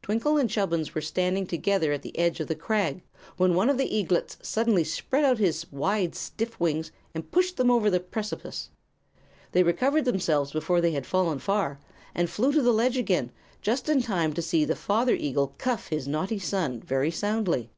Twinkle and Chubbins were standing together at the edge of the crag when one of the eaglets suddenly spread out his wide, stiff wings and pushed them over the precipice. They recovered themselves before they had fallen far, and flew to the ledge again just in time to see the father eagle cuff his naughty son very soundly.